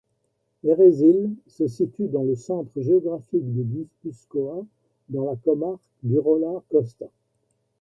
Errezil se situe dans le centre géographique du Guipuscoa, dans la comarque d'Urola Kosta.